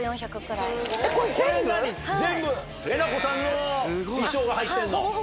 これ何全部えなこさんの衣装が入ってんの？